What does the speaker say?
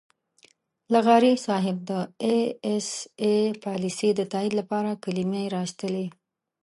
لغاري صاحب د اى ايس اى پالیسۍ د تائید لپاره کلمې را اېستلې.